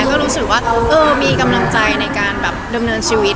ก็รู้สึกว่าเออมีกำลังใจในการแบบดำเนินชีวิต